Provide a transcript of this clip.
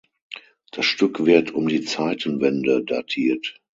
Das Stück wird um die Zeitenwende datiert.